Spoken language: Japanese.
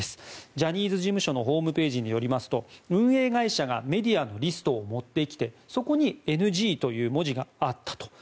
ジャニーズ事務所のホームページによりますと運営会社がメディアのリストを持ってきてそこにＮＧという文字があったと。